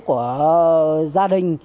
của gia đình